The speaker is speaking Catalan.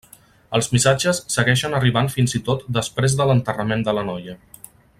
Els missatges segueixen arribant fins i tot després de l'enterrament de la noia.